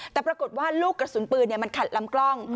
แต่ปรากฏว่าลูกกระสุนปืนมันขัดลำกล้อง